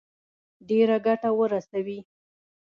ډېره ګټه ورسوي.